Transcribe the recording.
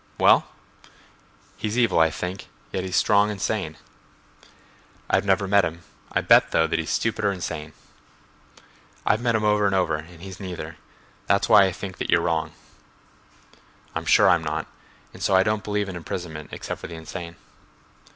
"Well?" "He's evil, I think, yet he's strong and sane." "I've never met him. I'll bet, though, that he's stupid or insane." "I've met him over and over and he's neither. That's why I think you're wrong." "I'm sure I'm not—and so I don't believe in imprisonment except for the insane."